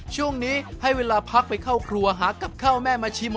ช่วงนี้ให้เวลาพักไปเข้าครัวหากับข้าวแม่มาชิม